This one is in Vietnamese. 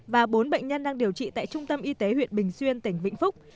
và bốn bệnh nhân đang điều trị tại trung tâm y tế huyện bình xuyên tỉnh vĩnh phúc